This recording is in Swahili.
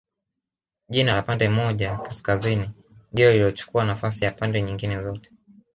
Jina la pande moja ya Kaskazini ndio lililochukua nafasi ya pande nyingine zote